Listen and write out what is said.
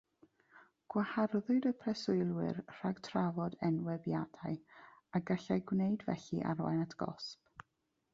Gwaharddwyd y preswylwyr rhag trafod enwebiadau, a gallai gwneud felly arwain at gosb.